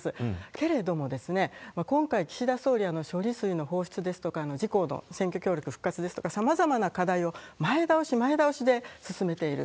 けれどもですね、今回、岸田総理、処理水の放出ですとか、自公の選挙協力復活ですとか、さまざまな課題を前倒し、前倒しで進めている。